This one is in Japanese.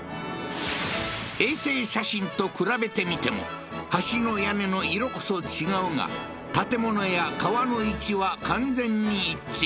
衛星写真と比べてみても橋の屋根の色こそ違うが建物や川の位置は完全に一致